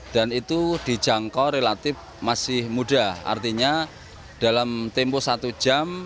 dan itu dijangkau relatif masih mudah artinya dalam tempo satu jam itu sudah nyampe